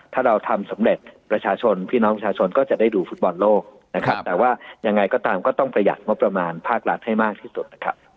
ถ้าเราทำสำเร็จประชาชนพี่น้องประชาชนก็จะได้ดูฟุตบอลโลกนะครับแต่ว่ายังไงก็ตามก็ต้องประหยัดงบประมาณภาครัฐให้มากที่สุดนะครับ